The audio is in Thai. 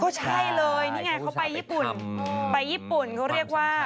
ก็ใช่เลยนี่ไงเขาไปญี่ปุ่นไปญี่ปุ่นเขาเรียกว่า